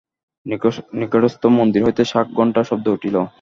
নিকটস্থ মন্দির হইতে শাঁখ ঘণ্টার শব্দ উঠিল।